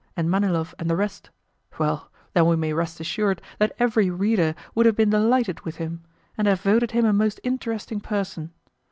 and Manilov and the rest; well, then we may rest assured that every reader would have been delighted with him, and have voted him a most interesting person.